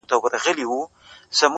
ستا د خــولې خـبري يــې زده كړيدي.